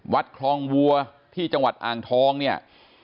วัดคลองวัวที่จังหวัดอ่างทองเนี่ย